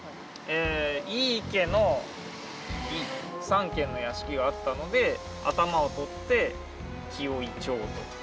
三家の屋敷があったので頭を取って「紀尾井町」と。